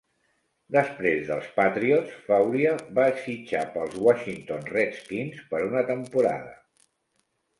Desprès dels Patriots, Fauria va fitxar pels Washington Redskins per una temporada.